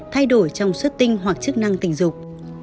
thay đổi trong xuất tinh hoặc chức năng tình dục